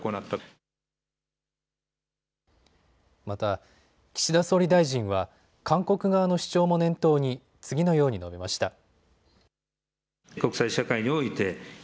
また、岸田総理大臣は韓国側の主張も念頭に次のように述べました。